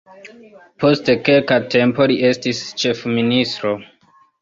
Post kelka tempo li estis ĉefministro.